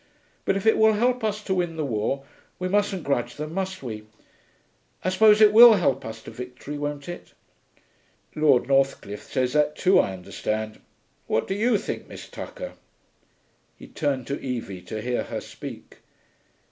But if it will help us to win the war, we mustn't grudge them, must we? I suppose it will help us to victory, won't it?' 'Lord Northcliffe says that too, I understand.... What do you think, Miss Tucker?' He turned to Evie, to hear her speak.